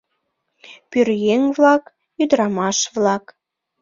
Пӧръеҥ-влак, ӱдырамаш-влак.